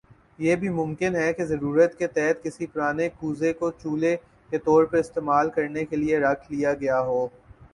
یہ بھی ممکن ہے کہ ضرورت کے تحت کسی پرانے کوزے کو چولہے کے طور پر استعمال کرنے کے لئے رکھ لیا گیا ہو